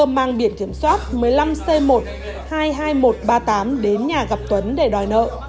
mang biển kiểm soát một mươi năm c một hai mươi hai nghìn một trăm ba mươi tám đến nhà gặp tuấn để đòi nợ